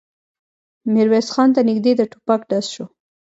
ميرويس خان ته نږدې د ټوپک ډز شو.